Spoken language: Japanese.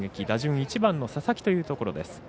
打順１番の佐々木というところ。